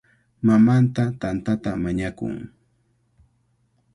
Mamanta tantata mañakun.